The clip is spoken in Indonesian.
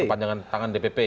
kepanjangan tangan dpp